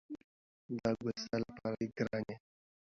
دا ګل ستا لپاره دی ګرانې!